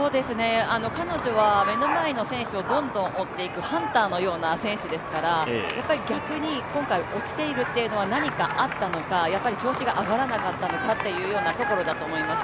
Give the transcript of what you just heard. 彼女は目の前の選手をどんどん追っていくハンターのような選手ですからやはり逆に落ちているというのは何かあったのか調子が上がらないということだと思います。